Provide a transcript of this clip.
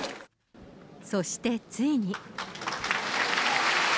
そしてついに。